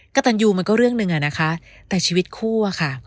กระตันยูมันก็เรื่องหนึ่งอะนะคะแต่ชีวิตคู่อะค่ะ